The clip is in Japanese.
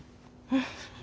うん。